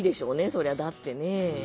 そりゃだってね。